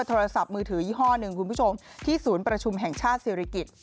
โทรศัพท์มือถือยี่ห้อหนึ่งคุณผู้ชมที่ศูนย์ประชุมแห่งชาติศิริกิจ